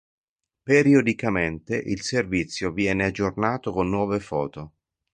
Periodicamente, il servizio viene aggiornato con nuove foto.